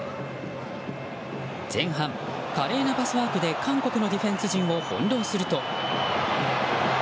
前半、華麗なパスワークで韓国のディフェンス陣を翻弄すると。